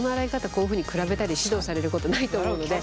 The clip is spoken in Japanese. こういうふうに比べたり指導されることないと思うので。